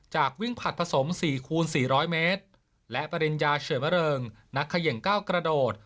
จากวิ่งผลัดผสมสี่คูณสี่ร้อยเมตรและประเด็นยาเฉินมะเริงนักเขย่งเก้ากระโดด